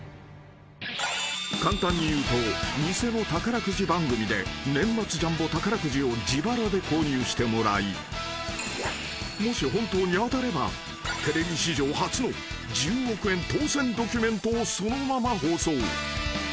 ［簡単にいうと偽の宝くじ番組で年末ジャンボ宝くじを自腹で購入してもらいもし本当に当たればテレビ史上初の１０億円当せんドキュメントをそのまま放送］